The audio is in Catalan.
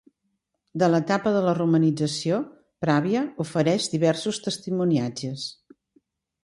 De l'etapa de la romanització Pravia ofereix diversos testimoniatges.